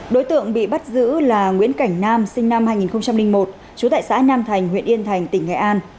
đối tượng bị bắt giữ là nguyễn cảnh nam sinh năm hai nghìn một trú tại xã nam thành huyện yên thành tỉnh nghệ an